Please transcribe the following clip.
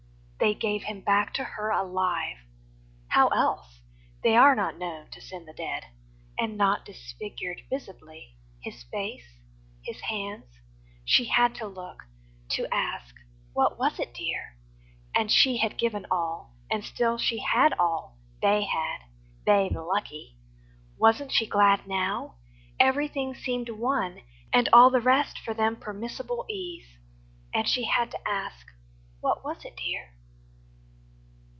They gave him back to her alive How else? They are not known to send the dead And not disfigured visibly. His face? His hands? She had to look, and ask, "What was it, dear?" And she had given all And still she had all they had they the lucky! WasnŌĆÖt she glad now? Everything seemed won, And all the rest for them permissible ease. She had to ask, "What was it, dear?"